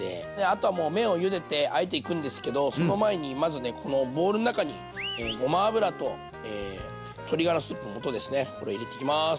あとはもう麺をゆでてあえていくんですけどその前にまずねこのボウルの中にごま油と鶏がらスープの素ですねこれ入れていきます。